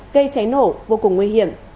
gây cháy nổ vô cùng nguy hiểm